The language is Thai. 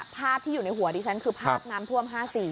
ภาพที่อยู่ในหัวดิฉันคือภาพน้ำท่วม๕๔